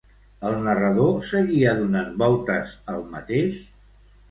El narrador seguia donant voltes al mateix?